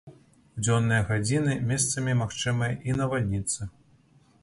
У дзённыя гадзіны месцамі магчымыя і навальніцы.